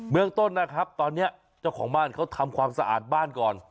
เมืองต้นนะครับตอนนี้เจ้าของบ้านเขาทำความสะอาดบ้านก่อน